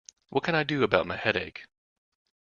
What can I do about my headache?